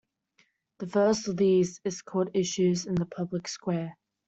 The first of these is called Issues in the Public Square.